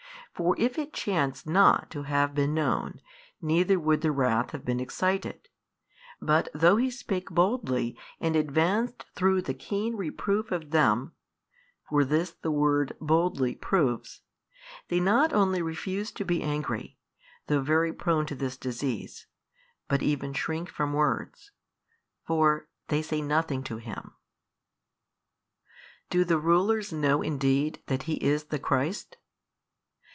For if it chanced not to have been known, neither would their wrath have been excited, but though He spake boldly and advanced through the keen reproof of them (for this the word boldly proves), they not only refuse to be angry, though very prone to this disease, but even shrink from words. For they say nothing to Him. Do the rulers know indeed that He is the Christ?